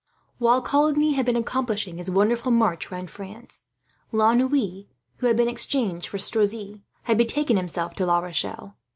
While Coligny had been accomplishing his wonderful march round France, La Noue, who had been exchanged for Strozzi, had betaken himself to La Rochelle.